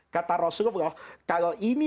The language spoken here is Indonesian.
kata rasulullah kalau ini